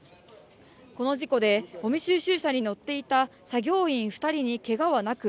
この事故でごみ収集車に乗っていた作業員二人にけがはなく